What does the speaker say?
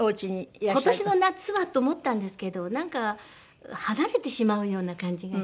今年の夏はと思ったんですけどなんか離れてしまうような感じがして。